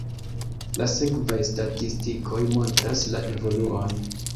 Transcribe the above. La sekvaj statistikoj montras la evoluon.